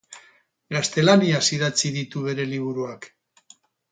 Gaztelaniaz idatzi ditu bere liburuak.